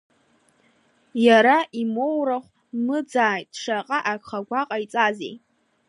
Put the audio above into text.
Иара, имоурахә мыӡааит, шаҟа агхақәа ҟаиҵазеи?